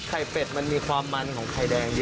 เป็ดมันมีความมันของไข่แดงอยู่